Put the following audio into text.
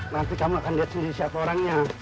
nanti kamu akan lihat sendiri siapa orangnya